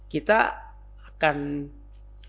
kita akan pastikan